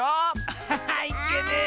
アッハハいけねえ！